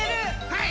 はい！